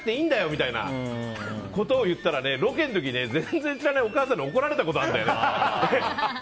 みたいなこと言ったらロケの時、全然知らないお母さんに怒られたことがあるんだよ。